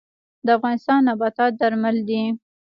د افغانستان نباتات درمل دي